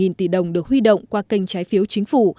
và hai mươi bảy tỷ đồng được huy động qua kênh trái phiếu chính phủ